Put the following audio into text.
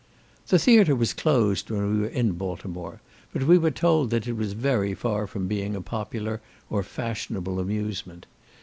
The theatre was closed when we were in Baltimore, but we were told that it was very far from being a popular or fashionable amusement.